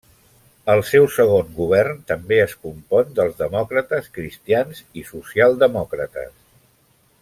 El seu segon govern també es compon dels demòcrates cristians i socialdemòcrates.